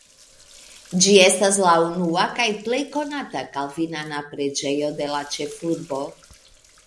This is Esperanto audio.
Ĝi estas la unua kaj plej konata kalvinana preĝejo de la ĉefurbo.